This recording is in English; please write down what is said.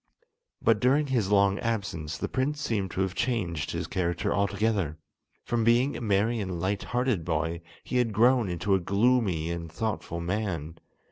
But during his long absence the prince seemed to have changed his character altogether. From being a merry and light hearted boy, he had grown into a gloomy and thoughtful man.